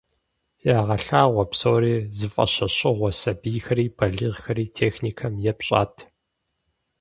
Ягъэлъагъуэ псори зыфӏэщӏэщыгъуэ сабийхэри балигъхэри техникэм епщӏат.